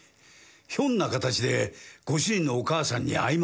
ひょんな形でご主人のお母さんに会いましてね。